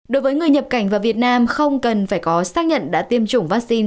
đối với người nhập cảnh vào việt nam không cần phải có xác nhận đã tiêm chủng vaccine